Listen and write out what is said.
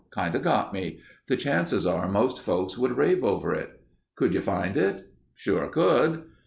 Kinda got me. The chances are most folks would rave over it." "Could you find it?" "Sure could...."